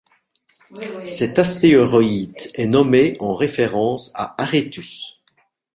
Cet astéroïde est nommé en référence à Aréthuse.